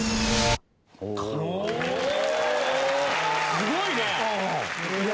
すごいね。